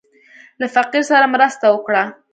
له فقير سره مرسته وکړه.